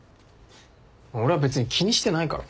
俺は別に気にしてないから。